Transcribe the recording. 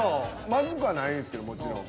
まずくはないんですけどもちろん。